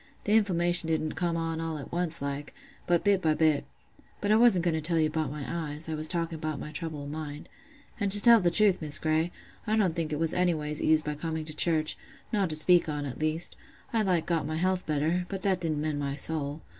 Th' inflammation didn't come on all at once like, but bit by bit—but I wasn't going to tell you about my eyes, I was talking about my trouble o' mind;—and to tell the truth, Miss Grey, I don't think it was anyways eased by coming to church—nought to speak on, at least: I like got my health better; but that didn't mend my soul.